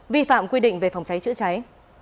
vi phạm quy định về phòng cháy chữa cháy